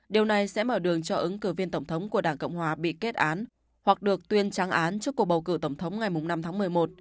điều này sẽ mở đường cho ứng cử viên tổng thống của đảng cộng hòa bị kết án hoặc được tuyên trắng án trước cuộc bầu cử tổng thống ngày năm tháng một mươi một